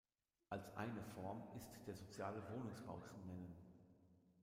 Als eine Form ist der soziale Wohnungsbau zu nennen.